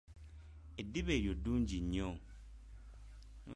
Eddiba eryo ddungi nnyo.